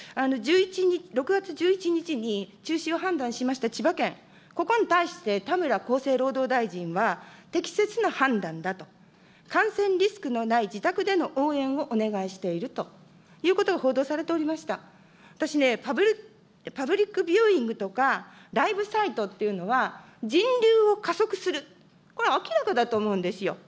６月１１日に中止を判断しました千葉県、ここに対して、田村厚生労働大臣は、適切な判断だと、感染リスクのない自宅での応援をお願いしているということが報道されておりますが、私ね、パブリックビューイングとかライブサイトっていうのは、人流を加速する、これは明らかだと思うんですよ。